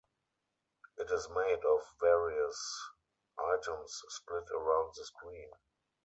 It is made of various items split around the screen.